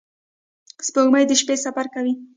• سپوږمۍ د شپې سفر کوي.